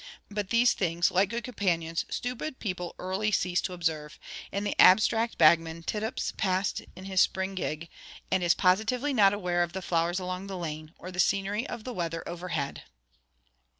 But these things, like good companions, stupid people early cease to observe: and the Abstract Bagman tittups past in his spring gig, and is positively not aware of the flowers along the lane, or the scenery of the weather overhead.